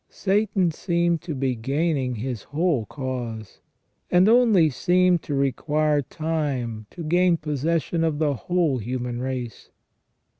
Satan seemed to be gaining his whole cause, and only seemed to require time to gain possession of the whole human race.